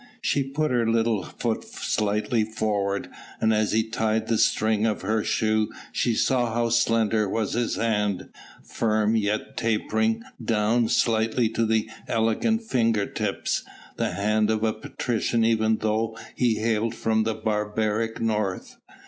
She put her little foot slightly forward, and as he tied the string of her shoe she saw how slender was his hand, firm yet tapering down to the elegant finger tips; the hand of a patrician even though he hailed from the barbaric North.